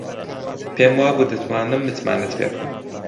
پێم وابوو دەتوانم متمانەت پێ بکەم.